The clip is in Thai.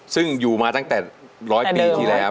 ซึ่งอยู่มาตั้งแต่๑๐๐ปีที่แล้ว